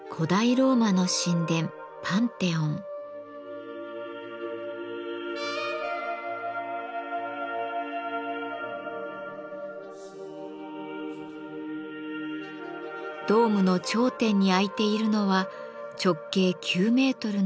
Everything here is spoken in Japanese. ドームの頂点に開いているのは直径９メートルの完全な円の窓。